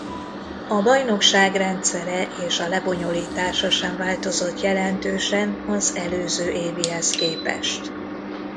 A bajnokság rendszere és a lebonyolítása sem változott jelentősen az előző évihez képest.